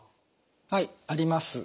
はいあります。